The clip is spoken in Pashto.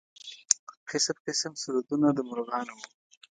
قسم قسم سرودونه د مرغانو و.